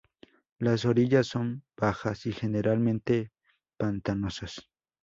Las orillas son bajas y generalmente pantanosas.